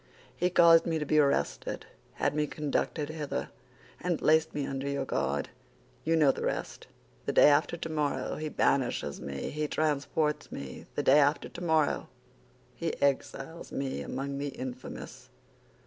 He caused me to be arrested, had me conducted hither, and placed me under your guard. You know the rest. The day after tomorrow he banishes me, he transports me; the day after tomorrow he exiles me among the infamous.